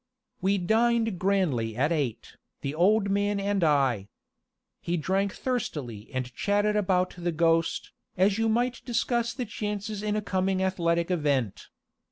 We dined grandly at eight, the old man and I. He drank thirstily and chatted about the ghost, as you might discuss the chances in a coming athletic event.